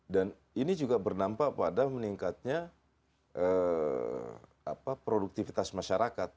dan ini juga bernampak pada meningkatnya produktivitas masyarakat